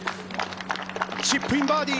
チップインバーディー！